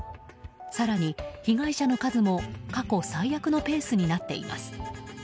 更に、被害者の数も過去最悪のペースになっています。